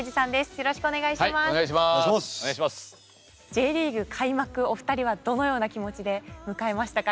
Ｊリーグ開幕お二人はどのような気持ちで迎えましたか？